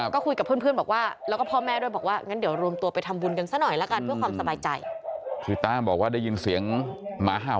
ก็คุยกับเพื่อนเพื่อนบอกว่าแล้วก็พ่อแม่ด้วยบอกว่าอืม